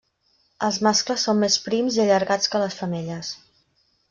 Els mascles són més prims i allargats que les femelles.